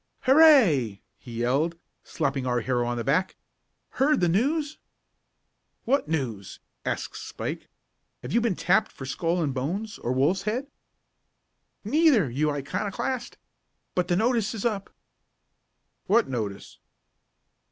"Hurray!" he yelled, slapping our hero on the back. "Heard the news?" "What news?" asked Spike. "Have you been tapped for Skull and Bones, or Wolf's Head?" "Neither, you old iconoclast. But the notice is up." "What notice?"